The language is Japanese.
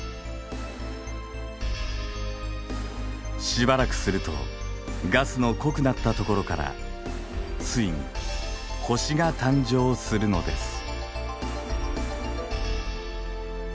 しばらくするとガスの濃くなったところからついに星が誕生するのです。